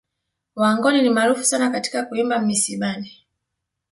Wangoni ni maarufu sana katika kuimba misibani